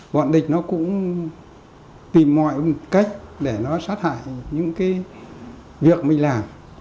bọn địch nó cũng tìm mọi cách để nó sát hại những cái việc mình làm